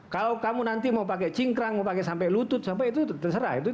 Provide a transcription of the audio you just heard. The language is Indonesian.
kalau kamu nanti mau pakai cingkrang mau pakai sampai lutut sampai itu terserah